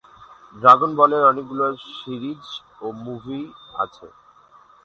Dragon বলের অনেকগুলো series ও মুভি আছে।